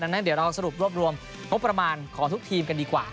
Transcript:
ดังนั้นเดี๋ยวเราสรุปรวบรวมงบประมาณของทุกทีมกันดีกว่า